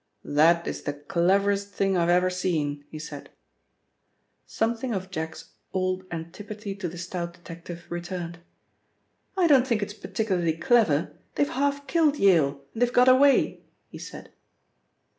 "That is the cleverest thing I've ever seen," he said. Something of Jack's old antipathy to the stout detective returned. "I don't think it is particularly clever. They've half killed Yale, and they've got away," he said.